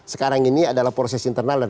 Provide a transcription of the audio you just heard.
sekarang ini adalah proses internal dan